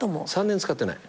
３年使ってない。